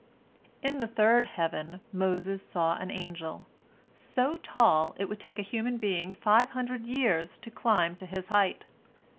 In the third heaven Moses saw an angel, so tall it would take a human being five hundred years to climb to his height.